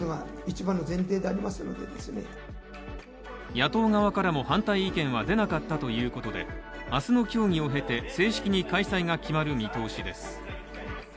野党側からも反対意見は出なかったということで明日の協議を経て正式に開催が決まる見通しです。